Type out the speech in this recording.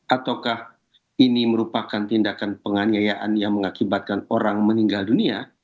ataukah ini merupakan tindakan penganiayaan yang mengakibatkan orang meninggal dunia